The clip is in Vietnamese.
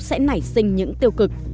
sẽ nảy sinh những tiêu cực